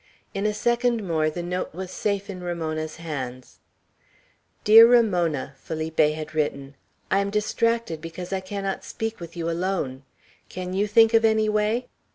In a second more the note was safe in Ramona's hands. "Dear Ramona," Felipe had written, "I am distracted because I cannot speak with you alone. Can you think of any way?